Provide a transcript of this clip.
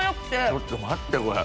ちょっと待ってこれ。